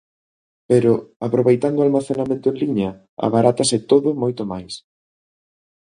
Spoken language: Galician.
Pero, aproveitando o almacenamento en liña, abarátase todo moito máis.